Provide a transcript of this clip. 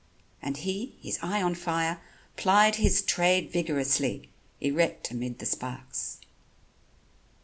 And he, his eye on fire, plied his trade vigorously, erect amid the sparks.